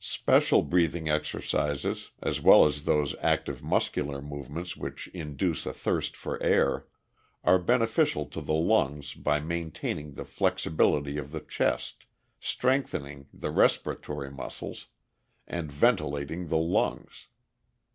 "Special breathing exercises, as well as those active muscular movements which induce a thirst for air, are beneficial to the lungs by maintaining the flexibility of the chest, strengthening the respiratory muscles, and ventilating the lungs.